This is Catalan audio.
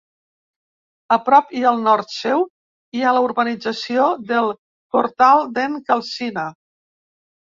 A prop i al nord seu hi ha la urbanització del Cortal d'en Calcina.